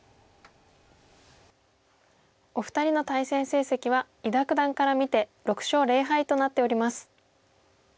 お二人の対戦成績は伊田九段から見て６勝０敗となっております。